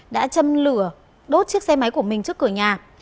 đã châm lửa đốt chiếc xe máy của mình trước cửa nhà